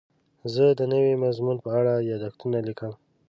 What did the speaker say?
زه د نوي مضمون په اړه یادښتونه لیکم.